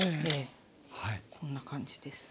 こんな感じです。